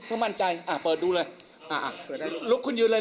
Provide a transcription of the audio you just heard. เพิ่งมั่นใจอ่ะเปิดดูเลยอ่ะอ่ะเปิดได้ลุกขึ้นยืนเลย